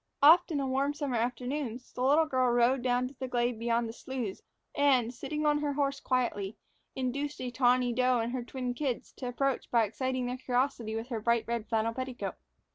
Often on warm summer afternoons, the little girl rode down to the glade beyond the sloughs and, sitting her horse quietly, induced a tawny doe and her twin kids to approach by exciting their curiosity with her bright red flannel petticoat.